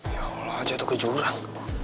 ya allah jatuh ke jurang